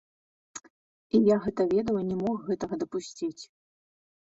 І я гэта ведаў і не мог гэтага дапусціць.